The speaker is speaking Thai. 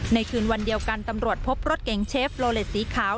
คืนวันเดียวกันตำรวจพบรถเก๋งเชฟโลเลสสีขาว